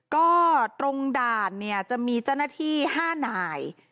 ก็ตรงด่านจะมีเจ้าหน้าที่๕หน่าย